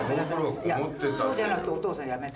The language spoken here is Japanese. そうじゃなくて、お父さん、やめて。